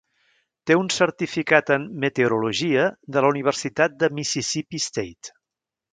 Té un certificat en meteorologia de la Universitat de Mississippi State.